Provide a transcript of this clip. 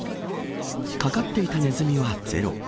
かかっていたネズミはゼロ。